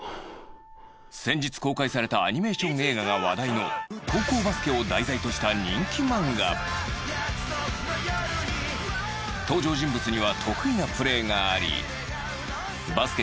先日公開されたアニメーション映画が話題の高校バスケを題材とした人気漫画登場人物には得意なプレーがありバスケ